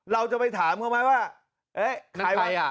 เราจะไปถามเขาไหมว่าเอ๊ะใครไปอ่ะ